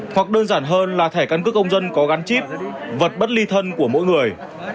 hoặc đơn giản hơn là thẻ căn cước công dân có gắn chip vật bất ly thân của mỗi người